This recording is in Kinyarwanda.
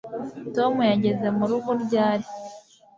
tom yageze murugo ryari